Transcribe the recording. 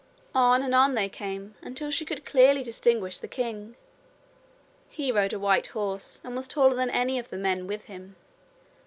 On and on they came until she could clearly distinguish the king. He rode a white horse and was taller than any of the men with him.